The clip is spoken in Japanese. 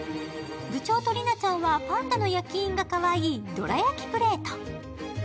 部長と莉菜ちゃんはパンダの焼き印がかわいいどら焼きプレート。